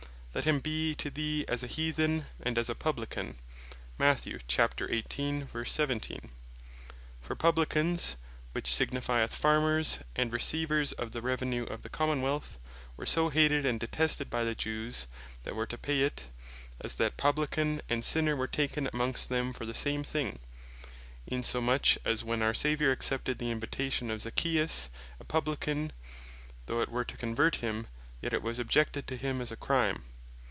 "Let him be to thee as a Heathen, and as a Publican." For Publicans (which signifieth Farmers, and Receivers of the revenue of the Common wealth) were so hated, and detested by the Jews that were to pay for it, as that Publican and Sinner were taken amongst them for the same thing: Insomuch, as when our Saviour accepted the invitation of Zacchaeus a Publican; though it were to Convert him, yet it was objected to him as a Crime.